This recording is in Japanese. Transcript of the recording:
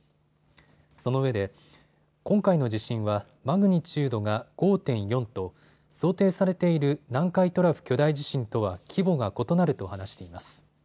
そのうえで今回の地震はマグニチュードが５．４と想定されている南海トラフ巨大地震とは規模が異なると話しています。